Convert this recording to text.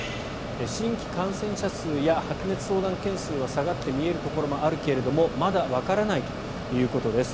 新規感染者数や発熱相談件数は下がって見えるところもあるけれどもまだわからないということです。